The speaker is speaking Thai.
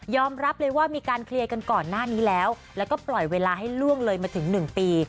รับเลยว่ามีการเคลียร์กันก่อนหน้านี้แล้วแล้วก็ปล่อยเวลาให้ล่วงเลยมาถึง๑ปี